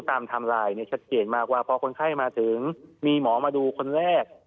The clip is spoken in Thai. ทำลายในชัดเกตมากว่าพอคนไข้มาถึงมีหมอมาดูคนแรก